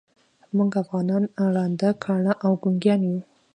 موږ افغانان ړانده، کاڼه او ګونګیان یوو.